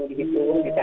mulia bisa menghadirkan